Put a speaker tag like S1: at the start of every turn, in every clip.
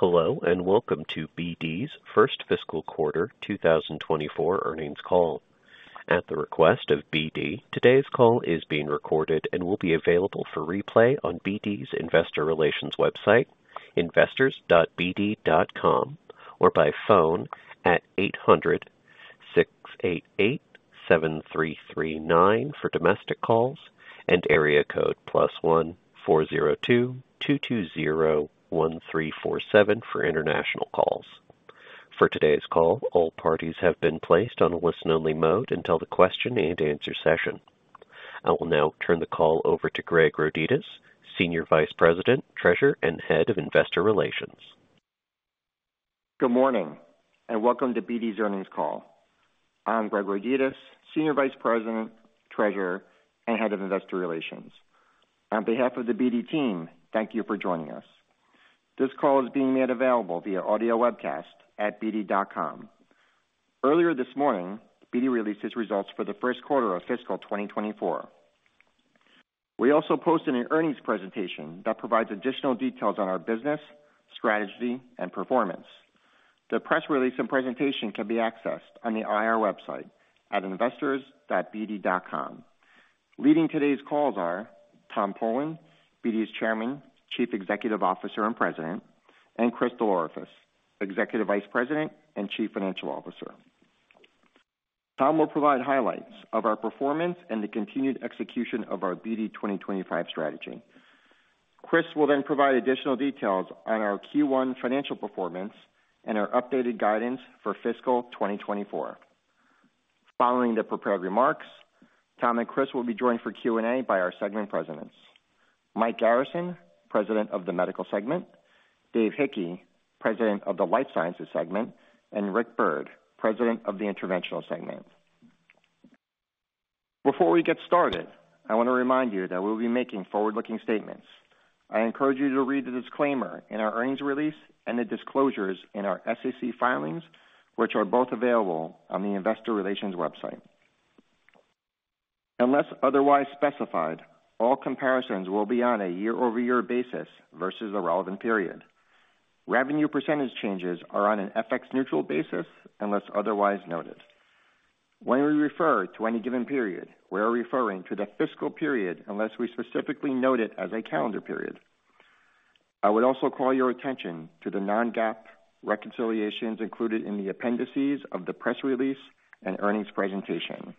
S1: Hello, and welcome to BD's first fiscal quarter 2024 earnings call. At the request of BD, today's call is being recorded and will be available for replay on BD's Investor Relations website, investors.bd.com, or by phone at 800-688-7339 for domestic calls and area code +1-402-220-1347 for international calls. For today's call, all parties have been placed on a listen-only mode until the question-and-answer session. I will now turn the call over to Greg Rodetis, Senior Vice President, Treasurer, and Head of Investor Relations.
S2: Good morning, and welcome to BD's earnings call. I'm Greg Rodetis, Senior Vice President, Treasurer, and Head of Investor Relations. On behalf of the BD team, thank you for joining us. This call is being made available via audio webcast at bd.com. Earlier this morning, BD released its results for the first quarter of fiscal 2024. We also posted an earnings presentation that provides additional details on our business, strategy, and performance. The press release and presentation can be accessed on the IR website at investors.bd.com. Leading today's calls are Tom Polen, BD's Chairman, Chief Executive Officer, and President, and Chris DelOrefice, Executive Vice President and Chief Financial Officer. Tom will provide highlights of our performance and the continued execution of our BD 2025 strategy. Chris will then provide additional details on our Q1 financial performance and our updated guidance for fiscal 2024. Following the prepared remarks, Tom and Chris will be joined for Q&A by our segment presidents: Mike Garrison, President of the Medical Segment, Dave Hickey, President of the Life Sciences Segment, and Rick Byrd, President of the Interventional Segment. Before we get started, I want to remind you that we'll be making forward-looking statements. I encourage you to read the disclaimer in our earnings release and the disclosures in our SEC filings, which are both available on the Investor Relations website. Unless otherwise specified, all comparisons will be on a year-over-year basis versus the relevant period. Revenue percentage changes are on an FX neutral basis, unless otherwise noted. When we refer to any given period, we are referring to the fiscal period, unless we specifically note it as a calendar period. I would also call your attention to the non-GAAP reconciliations included in the appendices of the press release and earnings presentation.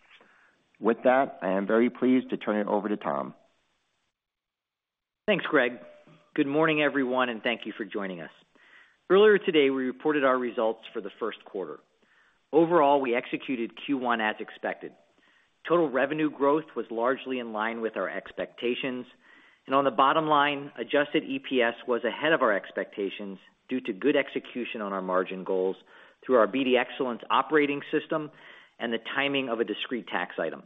S2: With that, I am very pleased to turn it over to Tom.
S3: Thanks, Greg. Good morning, everyone, and thank you for joining us. Earlier today, we reported our results for the first quarter. Overall, we executed Q1 as expected. Total revenue growth was largely in line with our expectations, and on the bottom line, adjusted EPS was ahead of our expectations due to good execution on our margin goals through our BD Excellence operating system and the timing of a discrete tax item.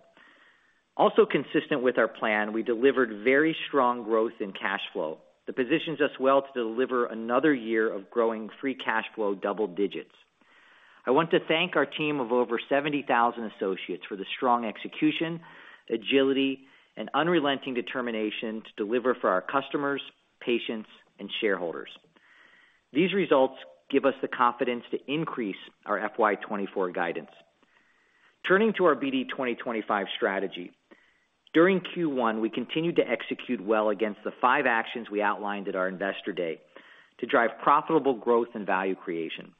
S3: Also consistent with our plan, we delivered very strong growth in cash flow that positions us well to deliver another year of growing free cash flow double digits. I want to thank our team of over 70,000 associates for the strong execution, agility, and unrelenting determination to deliver for our customers, patients, and shareholders. These results give us the confidence to increase our FY 2024 guidance. Turning to our BD 2025 strategy. During Q1, we continued to execute well against the five actions we outlined at our Investor Day to drive profitable growth and value creation.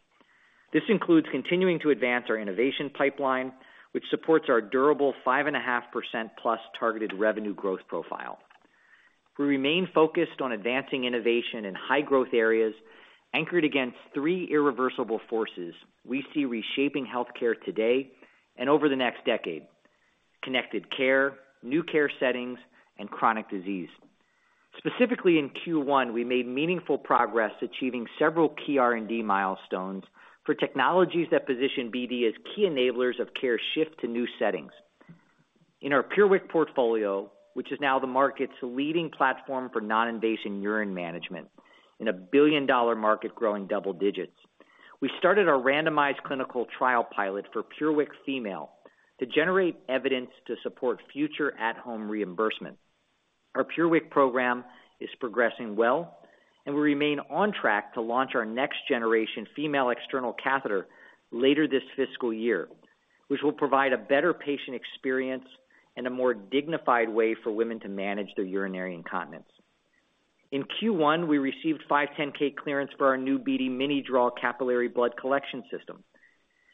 S3: This includes continuing to advance our innovation pipeline, which supports our durable 5.5%+ targeted revenue growth profile. We remain focused on advancing innovation in high-growth areas, anchored against three irreversible forces we see reshaping healthcare today and over the next decade: connected care, new care settings, and chronic disease. Specifically, in Q1, we made meaningful progress achieving several key R&D milestones for technologies that position BD as key enablers of care shift to new settings. In our PureWick portfolio, which is now the market's leading platform for non-invasive urine management in a billion-dollar market growing double digits, we started our randomized clinical trial pilot for PureWick Female to generate evidence to support future at-home reimbursement. Our PureWick program is progressing well, and we remain on track to launch our next generation female external catheter later this fiscal year, which will provide a better patient experience and a more dignified way for women to manage their urinary incontinence. In Q1, we received 510(k) clearance for our new BD MiniDraw Capillary Blood Collection System.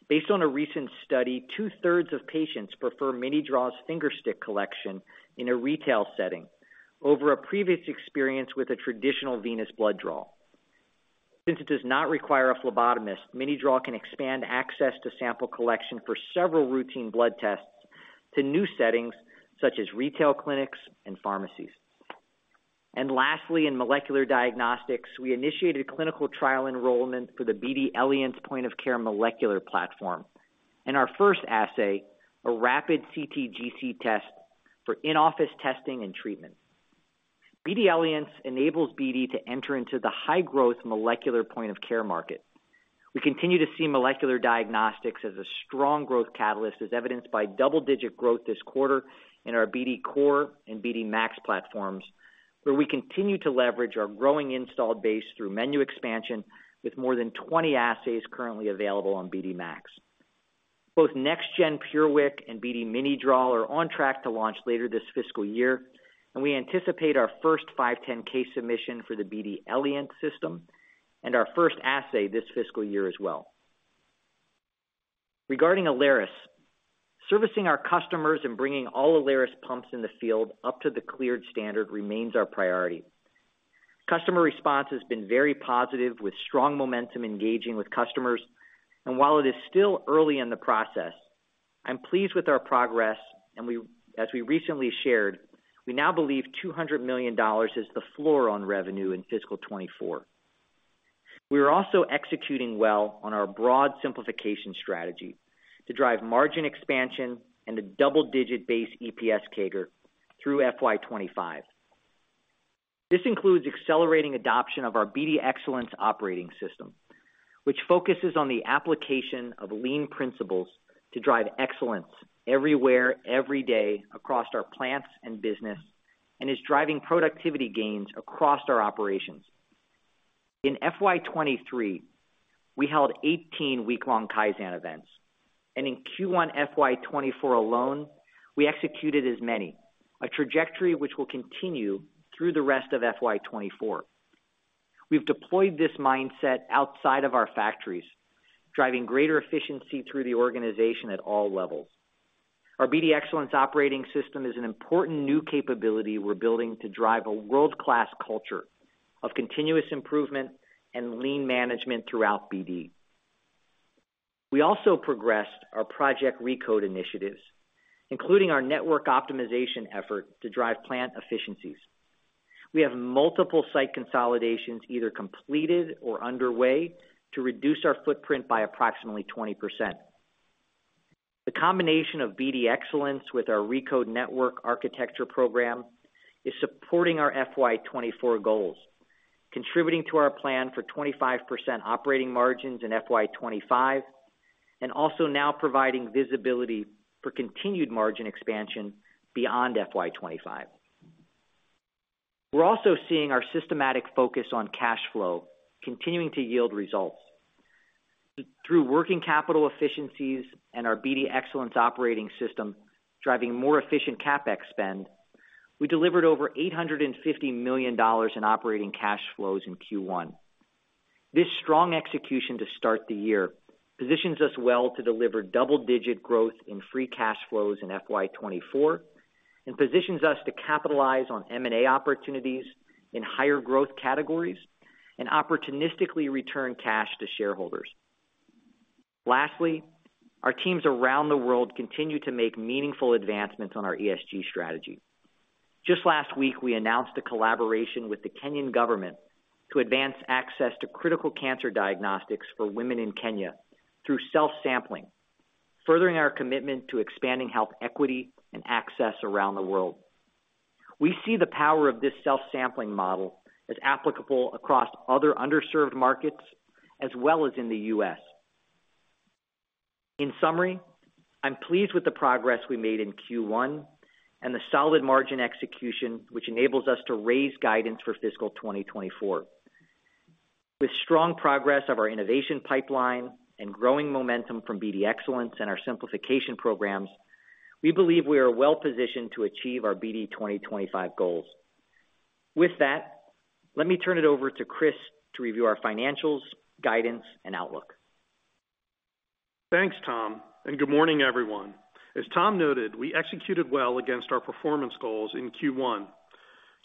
S3: Based on a recent study, two-thirds of patients prefer MiniDraw's fingerstick collection in a retail setting over a previous experience with a traditional venous blood draw. Since it does not require a phlebotomist, MiniDraw can expand access to sample collection for several routine blood tests to new settings, such as retail clinics and pharmacies. Lastly, in molecular diagnostics, we initiated a clinical trial enrollment for the BD Eliance point-of-care molecular platform and our first assay, a rapid CT/GC test for in-office testing and treatment. BD Eliance enables BD to enter into the high-growth molecular point of care market. We continue to see molecular diagnostics as a strong growth catalyst, as evidenced by double-digit growth this quarter in our BD COR and BD MAX platforms, where we continue to leverage our growing installed base through menu expansion, with more than 20 assays currently available on BD MAX. Both Next Gen PureWick and BD MiniDraw are on track to launch later this fiscal year, and we anticipate our first 510(k) submission for the BD Eliance system and our first assay this fiscal year as well. Regarding Alaris, servicing our customers and bringing all Alaris pumps in the field up to the cleared standard remains our priority. Customer response has been very positive, with strong momentum engaging with customers. While it is still early in the process, I'm pleased with our progress, and, as we recently shared, we now believe $200 million is the floor on revenue in fiscal 2024. We are also executing well on our broad simplification strategy to drive margin expansion and a double-digit base EPS CAGR through FY 2025. This includes accelerating adoption of our BD Excellence operating system, which focuses on the application of lean principles to drive excellence everywhere, every day, across our plants and business, and is driving productivity gains across our operations. In FY 2023, we held 18 week-long Kaizen events, and in Q1 FY 2024 alone, we executed as many, a trajectory which will continue through the rest of FY 2024. We've deployed this mindset outside of our factories, driving greater efficiency through the organization at all levels. Our BD Excellence operating system is an important new capability we're building to drive a world-class culture of continuous improvement and lean management throughout BD. We also progressed our Project RECODE initiatives, including our network optimization effort to drive plant efficiencies. We have multiple site consolidations, either completed or underway, to reduce our footprint by approximately 20%. The combination of BD Excellence with our RECODE network architecture program is supporting our FY 2024 goals, contributing to our plan for 25% operating margins in FY 2025, and also now providing visibility for continued margin expansion beyond FY 2025. We're also seeing our systematic focus on cash flow continuing to yield results. Through working capital efficiencies and our BD Excellence operating system, driving more efficient CapEx spend, we delivered over $850 million in operating cash flows in Q1. This strong execution to start the year positions us well to deliver double-digit growth in free cash flows in FY 2024, and positions us to capitalize on M&A opportunities in higher growth categories and opportunistically return cash to shareholders. Lastly, our teams around the world continue to make meaningful advancements on our ESG strategy. Just last week, we announced a collaboration with the Kenyan government to advance access to critical cancer diagnostics for women in Kenya through self-sampling, furthering our commitment to expanding health equity and access around the world. We see the power of this self-sampling model as applicable across other underserved markets as well as in the U.S. In summary, I'm pleased with the progress we made in Q1 and the solid margin execution, which enables us to raise guidance for fiscal 2024. With strong progress of our innovation pipeline and growing momentum from BD Excellence and our simplification programs, we believe we are well positioned to achieve our BD 2025 goals. With that, let me turn it over to Chris to review our financials, guidance, and outlook.
S4: Thanks, Tom, and good morning, everyone. As Tom noted, we executed well against our performance goals in Q1.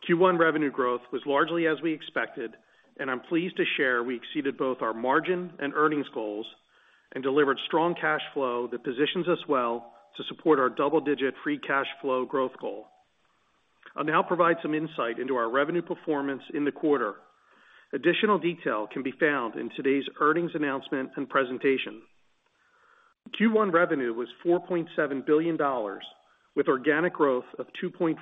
S4: Q1 revenue growth was largely as we expected, and I'm pleased to share we exceeded both our margin and earnings goals and delivered strong cash flow that positions us well to support our double-digit free cash flow growth goal. I'll now provide some insight into our revenue performance in the quarter. Additional detail can be found in today's earnings announcement and presentation. Q1 revenue was $4.7 billion, with organic growth of 2.4%.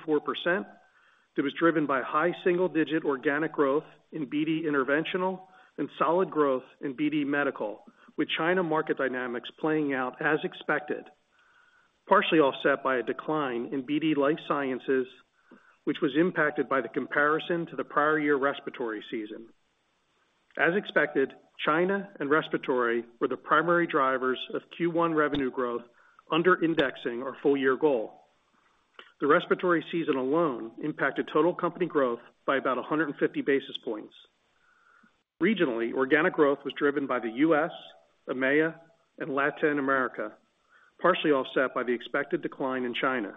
S4: That was driven by high single-digit organic growth in BD Interventional and solid growth in BD Medical, with China market dynamics playing out as expected, partially offset by a decline in BD Life Sciences, which was impacted by the comparison to the prior year respiratory season. As expected, China and respiratory were the primary drivers of Q1 revenue growth, underindexing our full-year goal. The respiratory season alone impacted total company growth by about 150 basis points. Regionally, organic growth was driven by the U.S., EMEA, and Latin America, partially offset by the expected decline in China.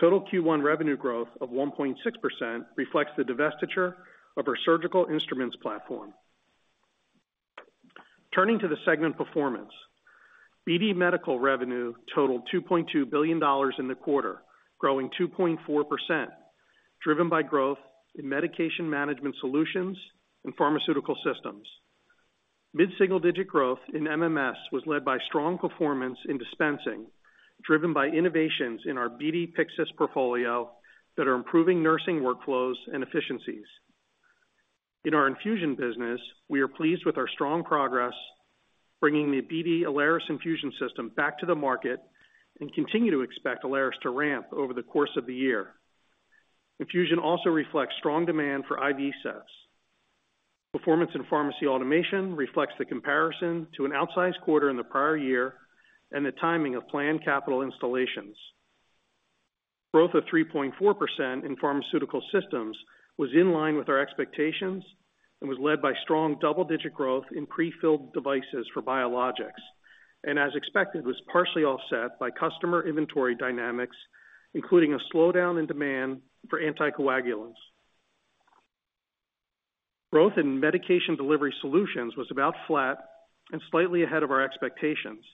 S4: Total Q1 revenue growth of 1.6% reflects the divestiture of our surgical instruments platform. Turning to the segment performance, BD Medical revenue totaled $2.2 billion in the quarter, growing 2.4%, driven by growth in medication management solutions and pharmaceutical systems. Mid-single digit growth in MMS was led by strong performance in dispensing.... driven by innovations in our BD Pyxis portfolio that are improving nursing workflows and efficiencies. In our infusion business, we are pleased with our strong progress, bringing the BD Alaris infusion system back to the market, and continue to expect Alaris to ramp over the course of the year. Infusion also reflects strong demand for IV sets. Performance in pharmacy automation reflects the comparison to an outsized quarter in the prior year and the timing of planned capital installations. Growth of 3.4% in pharmaceutical systems was in line with our expectations and was led by strong double-digit growth in prefilled devices for biologics, and as expected, was partially offset by customer inventory dynamics, including a slowdown in demand for anticoagulants. Growth in medication delivery solutions was about flat and slightly ahead of our expectations.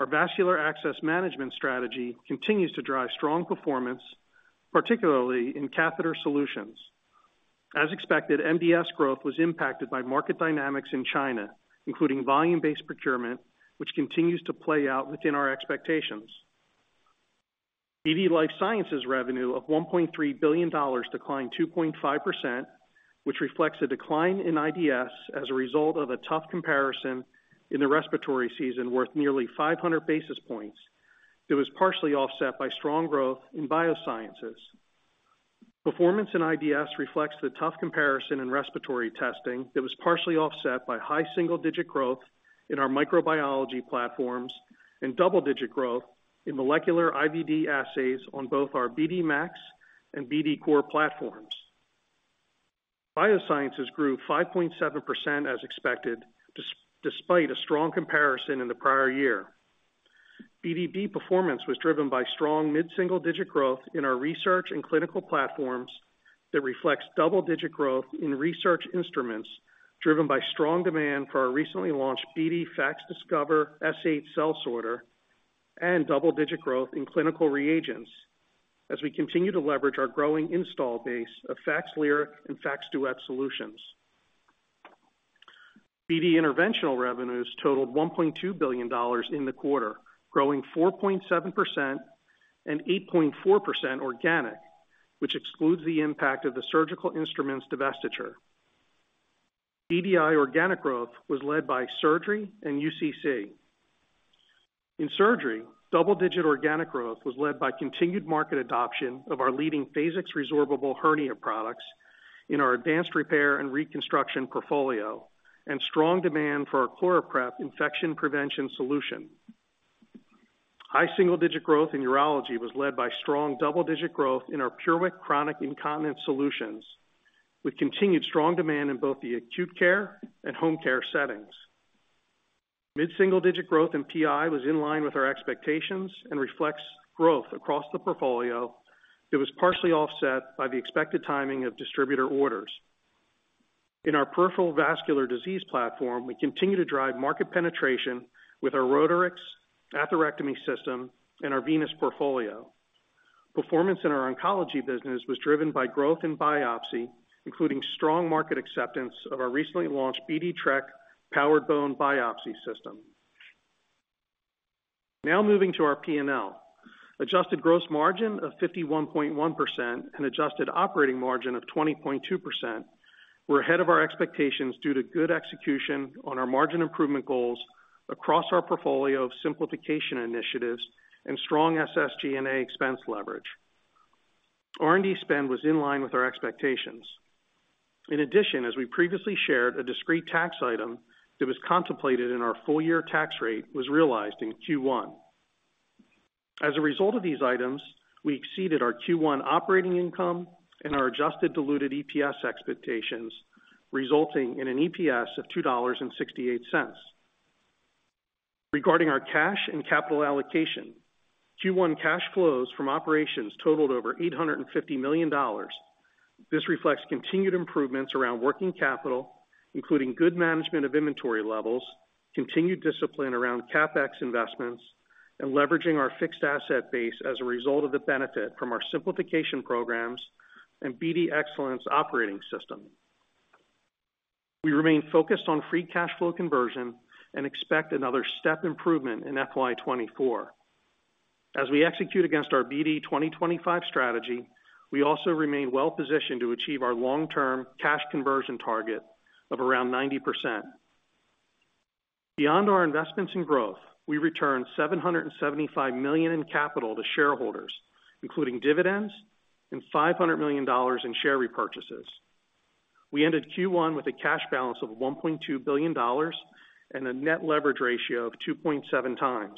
S4: Our vascular access management strategy continues to drive strong performance, particularly in catheter solutions. As expected, MDS growth was impacted by market dynamics in China, including volume-based procurement, which continues to play out within our expectations. BD Life Sciences revenue of $1.3 billion declined 2.5%, which reflects a decline in IDS as a result of a tough comparison in the respiratory season, worth nearly 500 basis points. It was partially offset by strong growth in Biosciences. Performance in IDS reflects the tough comparison in respiratory testing that was partially offset by high single-digit growth in our microbiology platforms, and double-digit growth in molecular IVD assays on both our BD MAX and BD COR platforms. Biosciences grew 5.7% as expected, despite a strong comparison in the prior year. Biosciences performance was driven by strong mid-single digit growth in our research and clinical platforms that reflects double-digit growth in research instruments, driven by strong demand for our recently launched BD FACSDiscover S8 cell sorter and double-digit growth in clinical reagents as we continue to leverage our growing install base of FACSLyric and FACSDuet solutions. BD Interventional revenues totaled $1.2 billion in the quarter, growing 4.7% and 8.4% organic, which excludes the impact of the surgical instruments divestiture. BDI organic growth was led by surgery and UCC. In surgery, double-digit organic growth was led by continued market adoption of our leading Phasix resorbable hernia products in our advanced repair and reconstruction portfolio, and strong demand for our ChloraPrep infection prevention solution. High single-digit growth in urology was led by strong double-digit growth in our PureWick chronic incontinence solutions, with continued strong demand in both the acute care and home care settings. Mid-single digit growth in PI was in line with our expectations and reflects growth across the portfolio. It was partially offset by the expected timing of distributor orders. In our peripheral vascular disease platform, we continue to drive market penetration with our Rotarex atherectomy system and our venous portfolio. Performance in our oncology business was driven by growth in biopsy, including strong market acceptance of our recently launched BD Trek powered bone biopsy system. Now, moving to our P&L. Adjusted gross margin of 51.1% and adjusted operating margin of 20.2% were ahead of our expectations, due to good execution on our margin improvement goals across our portfolio of simplification initiatives and strong SG&A expense leverage. R&D spend was in line with our expectations. In addition, as we previously shared, a discrete tax item that was contemplated in our full-year tax rate was realized in Q1. As a result of these items, we exceeded our Q1 operating income and our adjusted diluted EPS expectations, resulting in an EPS of $2.68. Regarding our cash and capital allocation, Q1 cash flows from operations totaled over $850 million. This reflects continued improvements around working capital, including good management of inventory levels, continued discipline around CapEx investments, and leveraging our fixed asset base as a result of the benefit from our simplification programs and BD Excellence operating system. We remain focused on free cash flow conversion and expect another step improvement in FY 2024. As we execute against our BD 2025 strategy, we also remain well positioned to achieve our long-term cash conversion target of around 90%. Beyond our investments in growth, we returned $775 million in capital to shareholders, including dividends and $500 million in share repurchases. We ended Q1 with a cash balance of $1.2 billion and a net leverage ratio of 2.7x.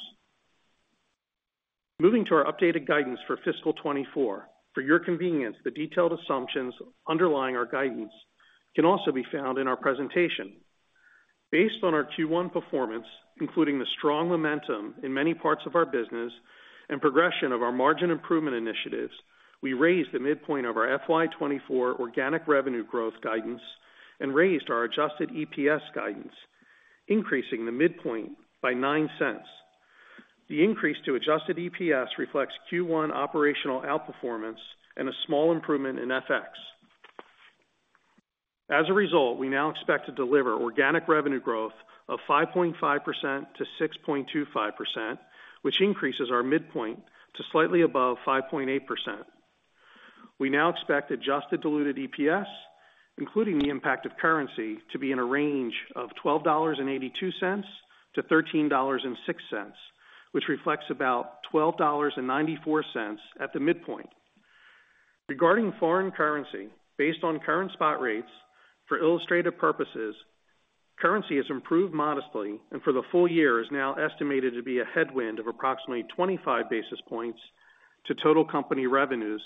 S4: Moving to our updated guidance for fiscal 2024. For your convenience, the detailed assumptions underlying our guidance can also be found in our presentation. Based on our Q1 performance, including the strong momentum in many parts of our business and progression of our margin improvement initiatives, we raised the midpoint of our FY 2024 organic revenue growth guidance and raised our adjusted EPS guidance, increasing the midpoint by $0.09. The increase to adjusted EPS reflects Q1 operational outperformance and a small improvement in FX. As a result, we now expect to deliver organic revenue growth of 5.5%-6.25%, which increases our midpoint to slightly above 5.8%. We now expect adjusted diluted EPS, including the impact of currency, to be in a range of $12.82-$13.06, which reflects about $12.94 at the midpoint. Regarding foreign currency, based on current spot rates, for illustrative purposes, currency has improved modestly, and for the full year is now estimated to be a headwind of approximately 25 basis points to total company revenues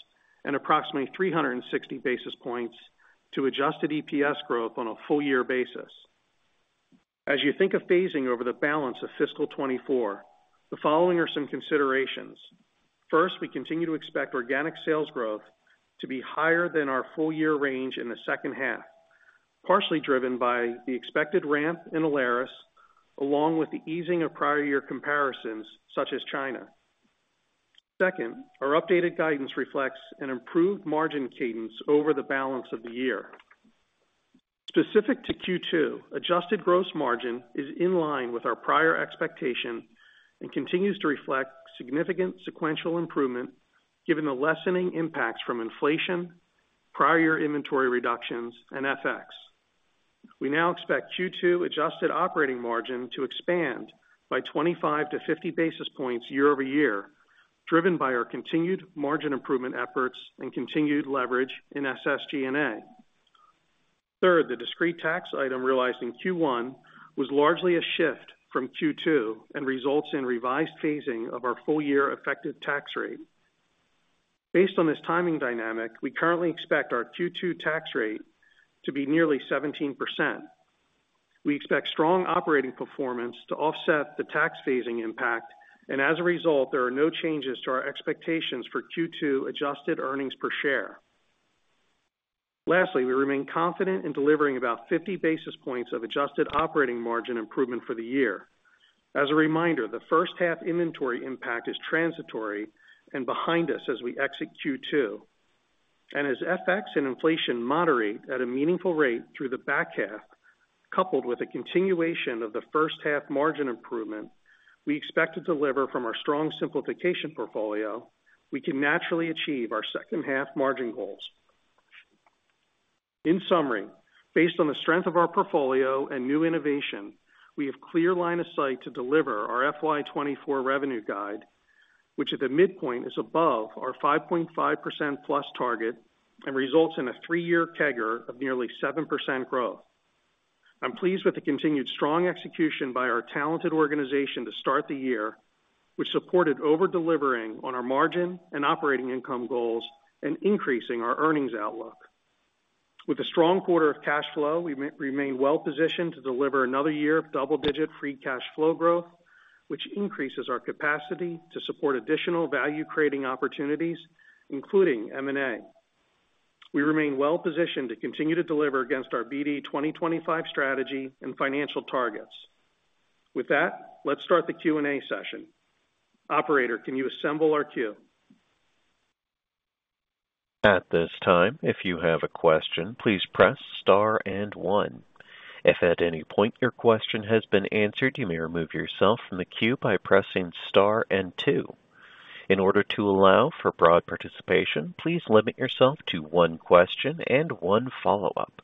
S4: and approximately 360 basis points to adjusted EPS growth on a full year basis. As you think of phasing over the balance of fiscal 2024, the following are some considerations. First, we continue to expect organic sales growth to be higher than our full year range in the second half, partially driven by the expected ramp in Alaris, along with the easing of prior year comparisons, such as China. Second, our updated guidance reflects an improved margin cadence over the balance of the year. Specific to Q2, adjusted gross margin is in line with our prior expectation and continues to reflect significant sequential improvement, given the lessening impacts from inflation, prior inventory reductions, and FX. We now expect Q2 adjusted operating margin to expand by 25-50 basis points year-over-year, driven by our continued margin improvement efforts and continued leverage in SG&A. Third, the discrete tax item realized in Q1 was largely a shift from Q2 and results in revised phasing of our full year effective tax rate. Based on this timing dynamic, we currently expect our Q2 tax rate to be nearly 17%. We expect strong operating performance to offset the tax phasing impact, and as a result, there are no changes to our expectations for Q2 adjusted earnings per share. Lastly, we remain confident in delivering about 50 basis points of adjusted operating margin improvement for the year. As a reminder, the first half inventory impact is transitory and behind us as we exit Q2. And as FX and inflation moderate at a meaningful rate through the back half, coupled with a continuation of the first half margin improvement we expect to deliver from our strong simplification portfolio, we can naturally achieve our second half margin goals. In summary, based on the strength of our portfolio and new innovation, we have clear line of sight to deliver our FY 2024 revenue guide, which at the midpoint, is above our 5.5%+ target and results in a three-year CAGR of nearly 7% growth. I'm pleased with the continued strong execution by our talented organization to start the year, which supported over-delivering on our margin and operating income goals and increasing our earnings outlook. With a strong quarter of cash flow, we remain well positioned to deliver another year of double digit free cash flow growth, which increases our capacity to support additional value-creating opportunities, including M&A. We remain well positioned to continue to deliver against our BD 2025 strategy and financial targets. With that, let's start the Q&A session. Operator, can you assemble our queue?
S1: At this time, if you have a question, please press star and one. If at any point your question has been answered, you may remove yourself from the queue by pressing star and two. In order to allow for broad participation, please limit yourself to one question and one follow-up.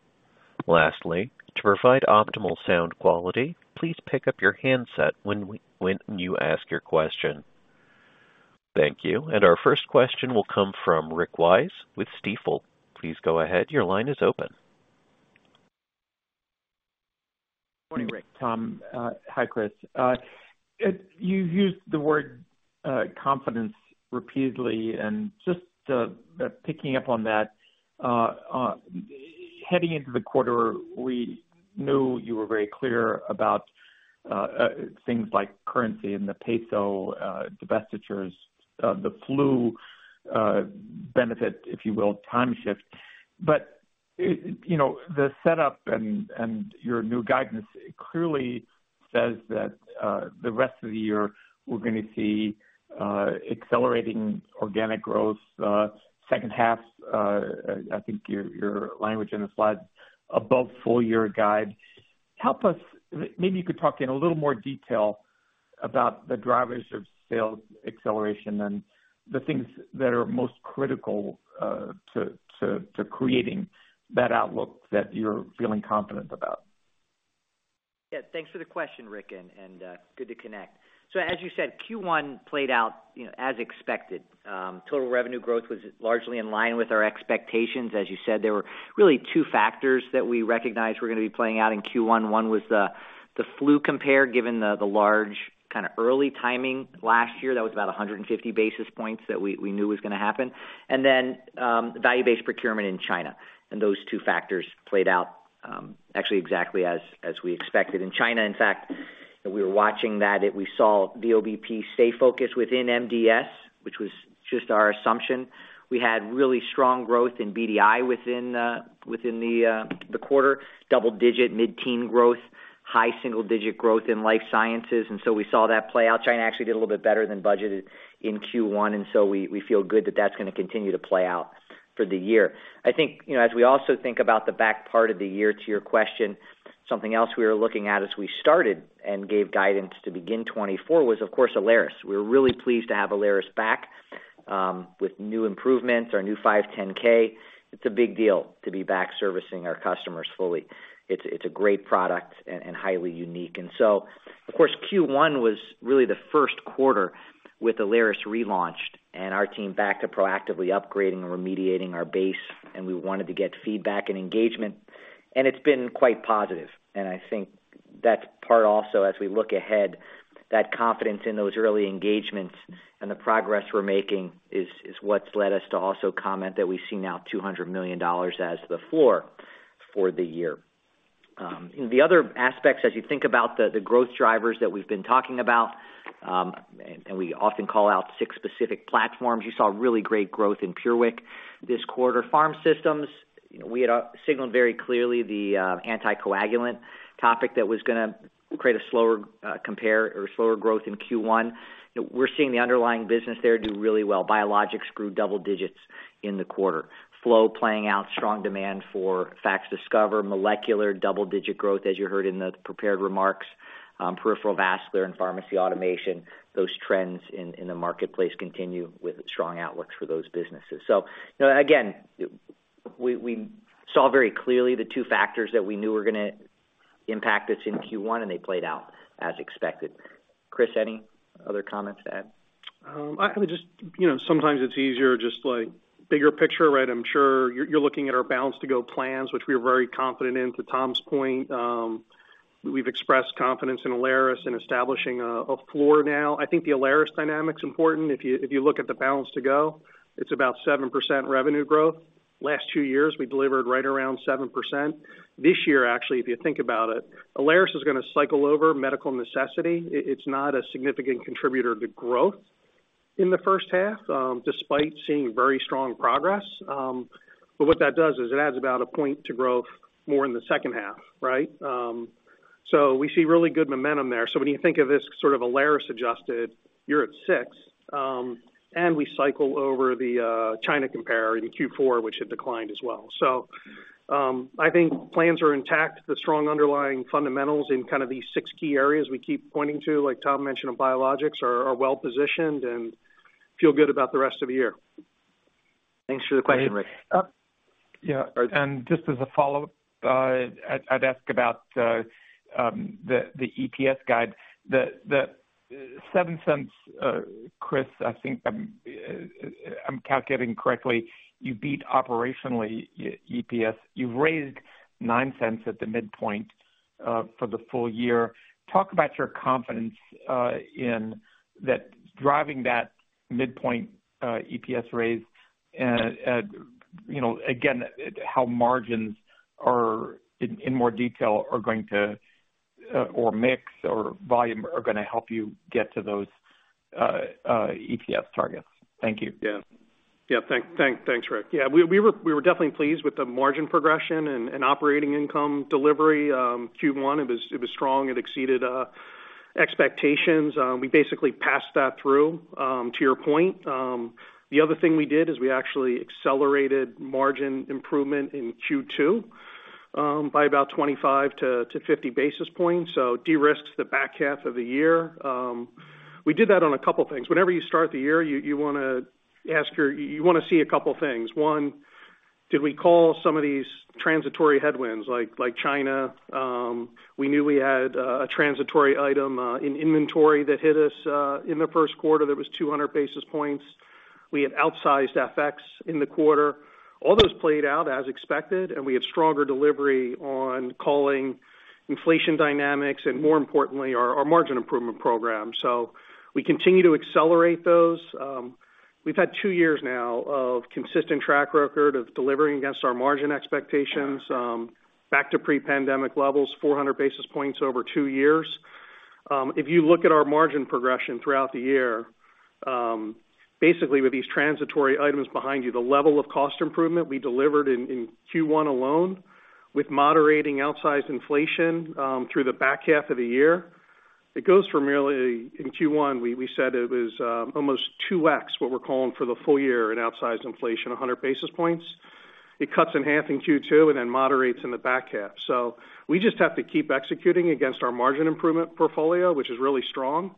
S1: Lastly, to provide optimal sound quality, please pick up your handset when you ask your question. Thank you. Our first question will come from Rick Wise with Stifel. Please go ahead. Your line is open.
S3: Good morning, Rick.
S5: Tom, hi, Chris. You've used the word confidence repeatedly, and just picking up on that, heading into the quarter, we knew you were very clear about things like currency and the peso, divestitures, the flu benefit, if you will, time shift. But, you know, the setup and your new guidance clearly says that the rest of the year, we're gonna see accelerating organic growth, second half. I think your language in the slides above full year guide. Help us... Maybe you could talk in a little more detail about the drivers of sales acceleration and the things that are most critical to creating that outlook that you're feeling confident about.
S3: Yeah, thanks for the question, Rick, and good to connect. So as you said, Q1 played out, you know, as expected. Total revenue growth was largely in line with our expectations. As you said, there were really two factors that we recognized were gonna be playing out in Q1. One was the flu compare, given the large kind of early timing last year. That was about 150 basis points that we knew was gonna happen. And then, volume-based procurement in China. And those two factors played out, actually exactly as we expected. In China, in fact, we were watching that, we saw VoBP stay focused within MDS, which was just our assumption. We had really strong growth in BDI within the quarter, double digit, mid-teen growth, high single digit growth in life sciences, and so we saw that play out. China actually did a little bit better than budgeted in Q1, and so we feel good that that's gonna continue to play out for the year. I think, you know, as we also think about the back part of the year, to your question, something else we were looking at as we started and gave guidance to begin 2024 was, of course, Alaris. We're really pleased to have Alaris back with new improvements, our new 510(k). It's a big deal to be back servicing our customers fully. It's a great product and highly unique. And so, of course, Q1 was really the first quarter with Alaris relaunched and our team back to proactively upgrading and remediating our base, and we wanted to get feedback and engagement, and it's been quite positive. And I think that's part also, as we look ahead, that confidence in those early engagements and the progress we're making is what's led us to also comment that we see now $200 million as the floor for the year. The other aspects, as you think about the growth drivers that we've been talking about, and we often call out six specific platforms. You saw really great growth in PureWick this quarter. Pharm Systems, we had signaled very clearly the anticoagulant topic that was gonna create a slower compare or slower growth in Q1. We're seeing the underlying business there do really well. Biologics grew double digits in the quarter. Flow playing out, strong demand for FACSDiscover, molecular double-digit growth, as you heard in the prepared remarks, peripheral vascular and pharmacy automation. Those trends in the marketplace continue with strong outlooks for those businesses. So again, we saw very clearly the two factors that we knew were gonna impact us in Q1, and they played out as expected. Chris, any other comments to add?
S4: I would just, you know, sometimes it's easier, just like bigger picture, right? I'm sure you're, you're looking at our back-half-to-go plans, which we are very confident in. To Tom's point, we've expressed confidence in Alaris in establishing a floor now. I think the Alaris dynamic is important. If you, if you look at the back-half-to-go, it's about 7% revenue growth. Last two years, we delivered right around 7%. This year, actually, if you think about it, Alaris is gonna cycle over medical necessity. It's not a significant contributor to growth in the first half, despite seeing very strong progress. But what that does is it adds about a point to growth more in the second half, right? So we see really good momentum there. So when you think of this sort of Alaris adjusted, you're at six, and we cycle over the China compare in Q4, which had declined as well. So, I think plans are intact. The strong underlying fundamentals in kind of these six key areas we keep pointing to, like Tom mentioned, on biologics, are well positioned and feel good about the rest of the year.
S3: Thanks for the question, Rick.
S5: Yeah, and just as a follow-up, I'd ask about the EPS guide. The $0.07, Chris, I think, if I'm calculating correctly, you beat operationally EPS. You've raised $0.09 at the midpoint for the full year. Talk about your confidence in that driving that midpoint EPS raise, you know, again, how margins are, in more detail, or mix or volume, are gonna help you get to those EPS targets. Thank you.
S4: Yeah. Yeah, thanks, Rick. Yeah, we were definitely pleased with the margin progression and operating income delivery. Q1, it was strong. It exceeded expectations. We basically passed that through to your point. The other thing we did is we actually accelerated margin improvement in Q2 by about 25-50 basis points, so derisked the back half of the year. We did that on a couple of things. Whenever you start the year, you wanna see a couple of things. One, did we call some of these transitory headwinds, like China? We knew we had a transitory item in inventory that hit us in the first quarter. There was 200 basis points. We had outsized FX in the quarter. All those played out as expected, and we had stronger delivery on calling inflation dynamics and more importantly, our margin improvement program. So we continue to accelerate those. We've had two years now of consistent track record of delivering against our margin expectations, back to pre-pandemic levels, 400 basis points over two years. If you look at our margin progression throughout the year, basically, with these transitory items behind you, the level of cost improvement we delivered in Q1 alone, with moderating outsized inflation, through the back half of the year, it goes from really, in Q1, we said it was almost 2x what we're calling for the full year in outsized inflation, 100 basis points. It cuts in half in Q2 and then moderates in the back half. We just have to keep executing against our margin improvement portfolio, which is really strong.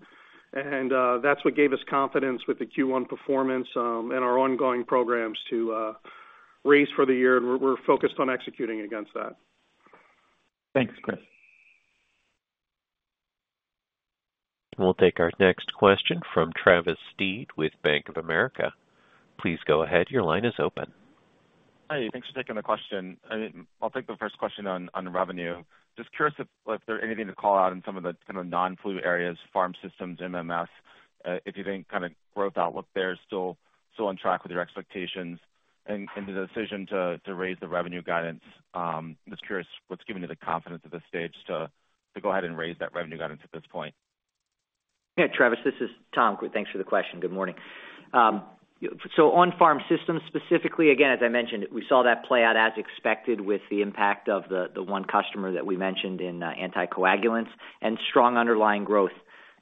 S4: That's what gave us confidence with the Q1 performance, and our ongoing programs to raise for the year, and we're focused on executing against that.
S5: Thanks, Chris.
S1: We'll take our next question from Travis Steed with Bank of America. Please go ahead. Your line is open.
S6: Hi, thanks for taking the question. I'll take the first question on, on revenue. Just curious if there anything to call out in some of the kind of non-flu areas, Pharm Systems, MMS, if you think kind of growth outlook there is still, still on track with your expectations and, and the decision to, to raise the revenue guidance. Just curious what's giving you the confidence at this stage to, to go ahead and raise that revenue guidance at this point?
S3: Yeah, Travis, this is Tom. Thanks for the question. Good morning. So on Pharm Systems, specifically, again, as I mentioned, we saw that play out as expected with the impact of the one customer that we mentioned in anticoagulants and strong underlying growth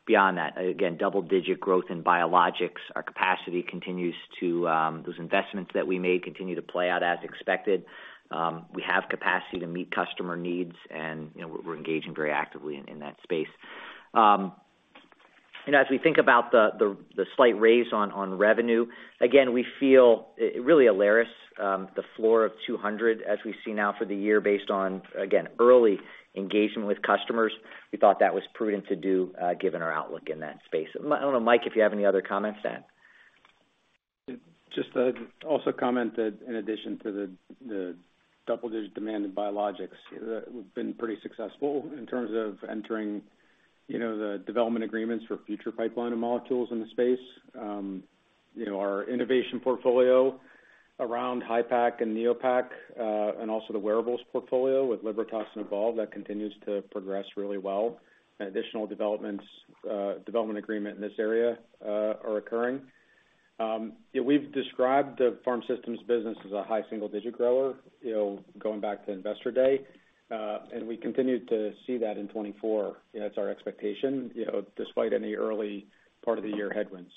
S3: beyond that, again, double-digit growth in biologics. Our capacity continues to, those investments that we made continue to play out as expected. We have capacity to meet customer needs, and, you know, we're engaging very actively in that space. And as we think about the slight raise on revenue, again, we feel it really Alaris, the floor of $200, as we see now for the year, based on, again, early engagement with customers. We thought that was prudent to do, given our outlook in that space. I don't know, Mike, if you have any other comments then?
S7: Just to also comment that in addition to the double-digit demand in biologics, that we've been pretty successful in terms of entering, you know, the development agreements for future pipeline of molecules in the space. You know, our innovation portfolio around Hypak and Neopak, and also the wearables portfolio with Libertas and Evolve, that continues to progress really well, and additional developments, development agreement in this area, are occurring. Yeah, we've described the Pharm Systems business as a high single digit grower, you know, going back to Investor Day, and we continued to see that in 2024. That's our expectation, you know, despite any early part of the year headwinds.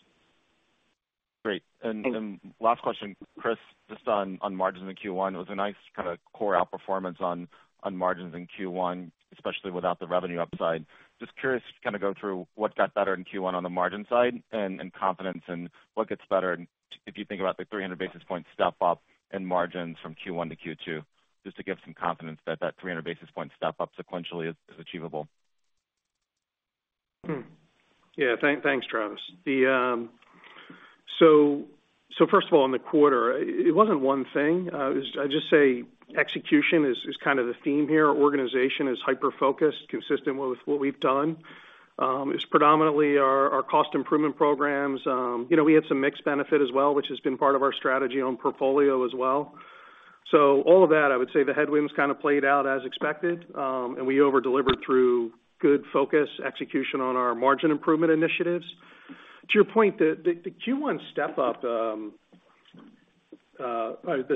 S6: Great. And last question, Chris, just on margins in Q1, it was a nice kind of core outperformance on margins in Q1, especially without the revenue upside. Just curious to kind of go through what got better in Q1 on the margin side and confidence and what gets better, and if you think about the 300 basis point step up in margins from Q1 to Q2, just to give some confidence that that 300 basis point step up sequentially is achievable?
S4: Yeah, thanks, Travis. So first of all, in the quarter, it wasn't one thing. I'd just say execution is kind of the theme here. Organization is hyper-focused, consistent with what we've done. It's predominantly our cost improvement programs. You know, we had some mixed benefit as well, which has been part of our strategy on portfolio as well. So all of that, I would say the headwinds kind of played out as expected, and we over-delivered through good focus, execution on our margin improvement initiatives. To your point, the Q1 step up, the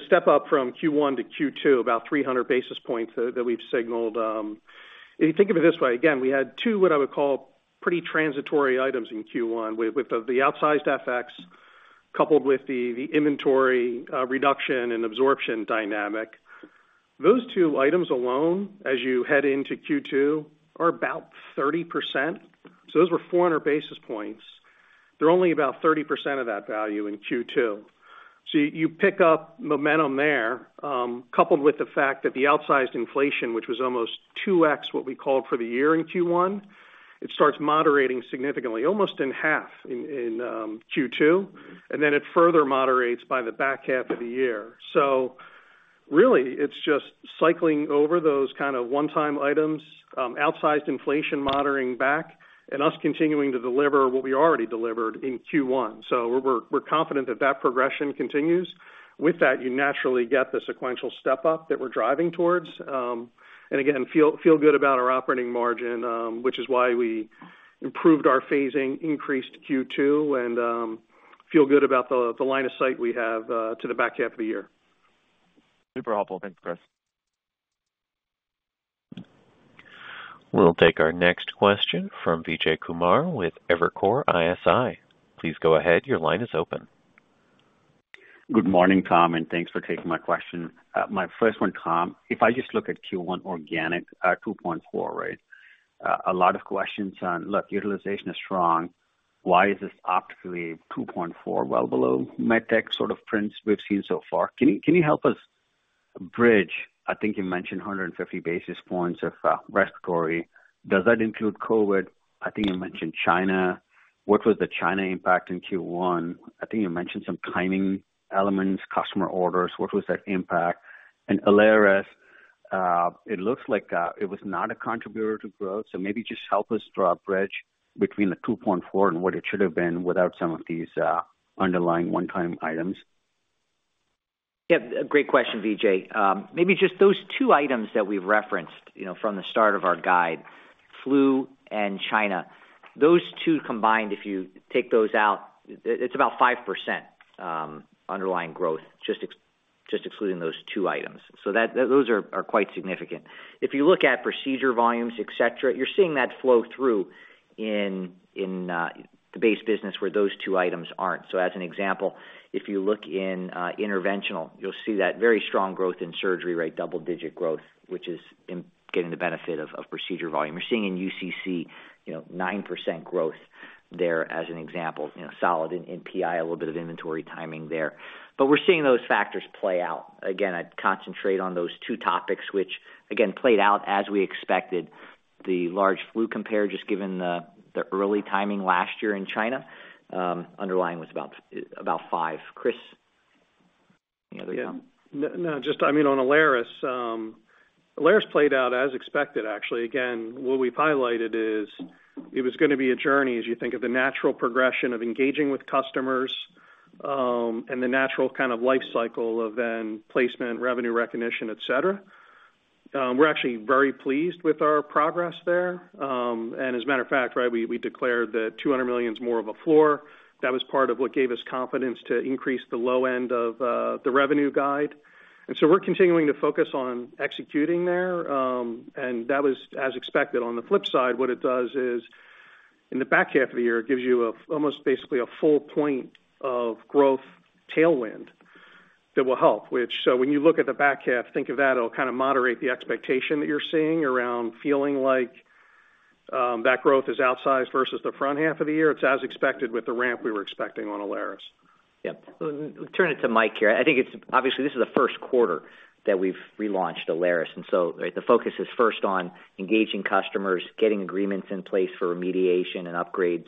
S4: step up from Q1 to Q2, about 300 basis points that we've signaled, if you think of it this way, again, we had two, what I would call pretty transitory items in Q1, with the outsized FX, coupled with the inventory reduction and absorption dynamic. Those two items alone, as you head into Q2, are about 30%. So those were 400 basis points. They're only about 30% of that value in Q2. So you pick up momentum there, coupled with the fact that the outsized inflation, which was almost 2x what we called for the year in Q1, it starts moderating significantly, almost in half in Q2, and then it further moderates by the back half of the year. So really, it's just cycling over those kind of one-time items, outsized inflation, moderating back, and us continuing to deliver what we already delivered in Q1. So we're confident that progression continues. With that, you naturally get the sequential step up that we're driving towards, and again, feel good about our operating margin, which is why we improved our phasing, increased Q2, and feel good about the line of sight we have to the back half of the year.
S6: Super helpful. Thanks, Chris.
S1: We'll take our next question from Vijay Kumar with Evercore ISI. Please go ahead. Your line is open.
S8: Good morning, Tom, and thanks for taking my question. My first one, Tom, if I just look at Q1 organic, 2.4, right? A lot of questions on, look, utilization is strong. Why is this optically 2.4, well below medtech sort of prints we've seen so far. Can you help us bridge? I think you mentioned 150 basis points of restocking. Does that include COVID? I think you mentioned China. What was the China impact in Q1? I think you mentioned some timing elements, customer orders. What was that impact? And Alaris, it looks like it was not a contributor to growth, so maybe just help us draw a bridge between the 2.4 and what it should have been without some of these underlying one-time items.
S3: Yeah, great question, Vijay. Maybe just those two items that we referenced, you know, from the start of our guide, flu and China. Those two combined, if you take those out, it's about 5%, underlying growth, just excluding those two items. So that, those are quite significant. If you look at procedure volumes, et cetera, you're seeing that flow through in the base business where those two items aren't. So as an example, if you look in Interventional, you'll see that very strong growth in surgery, right? Double-digit growth, which is getting the benefit of procedure volume. You're seeing in UCC, you know, 9% growth there as an example, you know, solid in NPI, a little bit of inventory timing there. But we're seeing those factors play out. Again, I'd concentrate on those two topics, which again, played out as we expected, the large flu compare, just given the early timing last year in China, underlying was about five. Chris, any other thing?
S4: Yeah. No, just I mean, on Alaris, Alaris played out as expected, actually. Again, what we've highlighted is it was gonna be a journey as you think of the natural progression of engaging with customers, and the natural kind of life cycle of then placement, revenue recognition, et cetera. We're actually very pleased with our progress there. And as a matter of fact, right, we, we declared that $200 million is more of a floor. That was part of what gave us confidence to increase the low end of, the revenue guide. And so we're continuing to focus on executing there and that was as expected. On the flip side, what it does is, in the back half of the year, it gives you a almost basically a full point of growth tailwind that will help. Which, so when you look at the back half, think of that, it'll kind of moderate the expectation that you're seeing around feeling like, that growth is outsized versus the front half of the year. It's as expected with the ramp we were expecting on Alaris.
S3: Yep. So turn it to Mike here. I think it's obviously, this is the first quarter that we've relaunched Alaris, and so the focus is first on engaging customers, getting agreements in place for remediation and upgrades,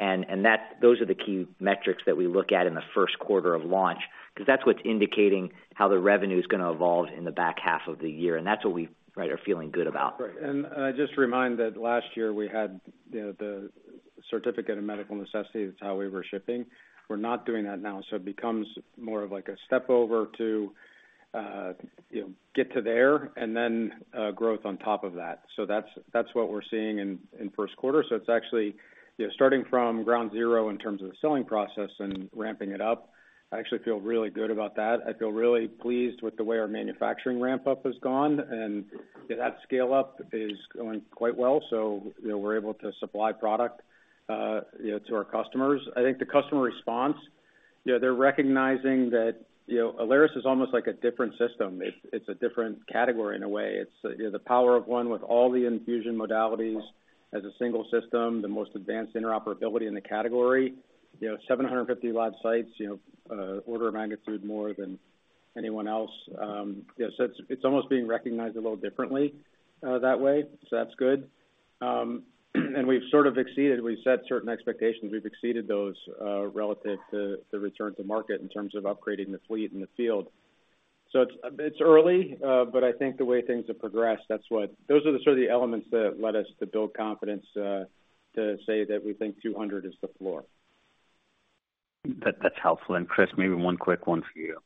S3: and, and that those are the key metrics that we look at in the first quarter of launch, because that's what's indicating how the revenue is gonna evolve in the back half of the year, and that's what we, right, are feeling good about.
S7: Right. Just to remind that last year we had, you know, the certificate of medical necessity, that's how we were shipping. We're not doing that now, so it becomes more of like a step over to, you know, get to there and then, growth on top of that. So that's, that's what we're seeing in, in first quarter. So it's actually, you know, starting from ground zero in terms of the selling process and ramping it up. I actually feel really good about that. I feel really pleased with the way our manufacturing ramp-up has gone, and that scale-up is going quite well, so, you know, we're able to supply product, you know, to our customers. I think the customer response, you know, they're recognizing that, you know, Alaris is almost like a different system. It's, it's a different category in a way. It's, you know, the power of one with all the infusion modalities as a single system, the most advanced interoperability in the category, you know, 750 live sites, you know, order of magnitude more than anyone else. You know, so it's, it's almost being recognized a little differently, that way. So that's good. And we've sort of exceeded... We've set certain expectations. We've exceeded those, relative to the return to market in terms of upgrading the fleet in the field. So it's, it's early, but I think the way things have progressed, that's what-- those are the sort of the elements that led us to build confidence, to say that we think 200 is the floor.
S8: That, that's helpful. And Chris, maybe one quick one for you.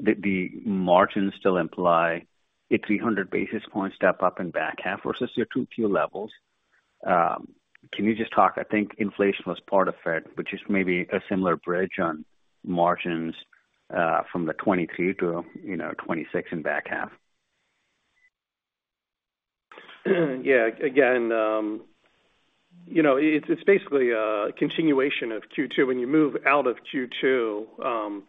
S8: The margins still imply a 300 basis points step up in back half versus your 2Q levels. Can you just talk, I think inflation was part of it, but just maybe a similar bridge on margins from the 2023 to, you know, 2026 in back half.
S4: Yeah, again, you know, it's, it's basically a continuation of Q2. When you move out of Q2,